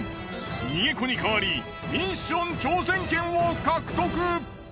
逃げ子に変わりミッション挑戦権を獲得。